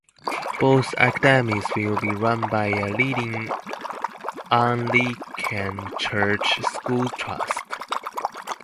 Both academies will be run by a leading Anglican Church School Trust.